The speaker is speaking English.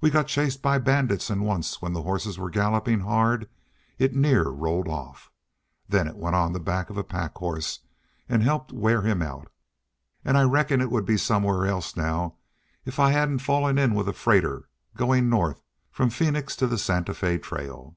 We got chased by bandits an' once when the horses were gallopin' hard it near rolled off. Then it went on the back of a pack horse an' helped wear him out. An' I reckon it would be somewhere else now if I hadn't fallen in with a freighter goin' north from Phoenix to the Santa Fe Trail.